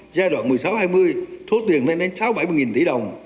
giai đoạn một mươi sáu hai mươi số tiền lên đến sáu bảy mươi tỷ đồng